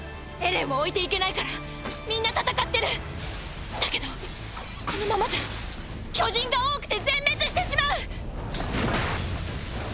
エレンを置いていけないからみんな戦ってる！だけどこのままじゃ巨人が多くて全滅してしまう！